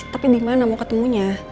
tapi dimana mau ketemunya